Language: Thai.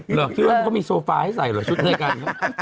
เหรอคิดว่ามันก็มีโซฟาให้ใส่เหรอชุดในกัน